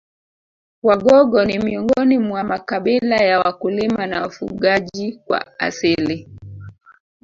Wagogo ni miongoni mwa makabila ya wakulima na wafugaji kwa asili